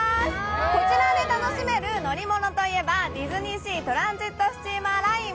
こちらで楽しめる乗り物といえばディズニーシー・トランジットスチーマーライン。